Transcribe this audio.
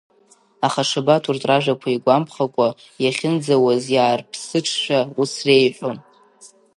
Аха Шабаҭ урҭ ражәақәа игәамԥхакәа, иахьынӡауаз иаарԥсыҽшәа ус реиҳәеит…